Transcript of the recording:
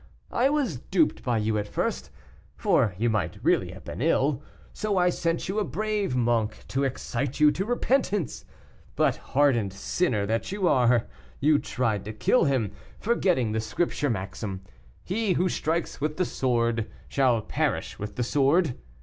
I was duped by you at first, for you might really have been ill, so I sent you a brave monk, to excite you to repentance; but, hardened sinner that you are, you tried to kill him, forgetting the Scripture maxim, 'He who strikes with the sword shall perish with the sword.